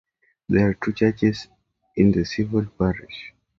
There are two churches in the civil parish.